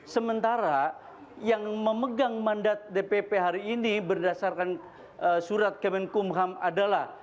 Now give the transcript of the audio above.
sementara yang memegang mandat dpp hari ini berdasarkan surat kemenkumham adalah